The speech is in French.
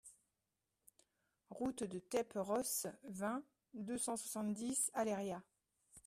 Route de Teppe Rosse, vingt, deux cent soixante-dix Aléria